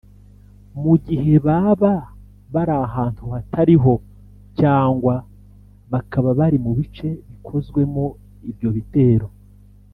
mu gihe baba bari ahantu hatariho cyangwa bakaba bari mubice bikozwemo ibyo bitero